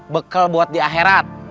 bekel buat di akhirat